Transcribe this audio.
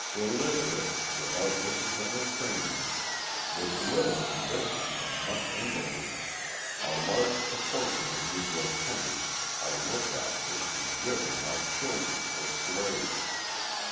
Illiterate, without discipline or training, with little ambition and much indolence, a large proportion of Negro tenants are looked after and driven like children or slaves.